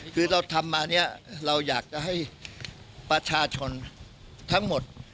คือเราทำมาเนี่ยเราอยากจะให้ประชาชนทั้งหมด